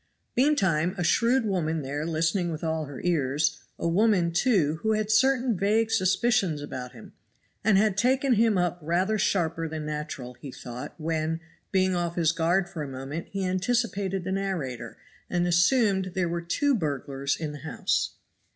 Meantime a shrewd woman there listening with all her ears, a woman, too, who had certain vague suspicions about him, and had taken him up rather sharper than natural, he thought, when, being off his guard for a moment he anticipated the narrator, and assumed there were two burglars in the house.